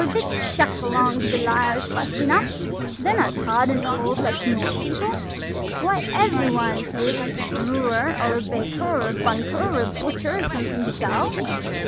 they'd chuck along the lyres fast enough–they're not hard and cold like North people. Why, every one here is a brewer, or a baker, or a banker, or a butcher, or something dull.